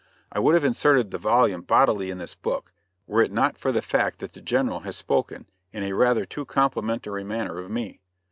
I would have inserted the volume bodily in this book, were it not for the fact that the General has spoken in a rather too complimentary manner of me.